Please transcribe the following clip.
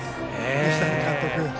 西谷監督。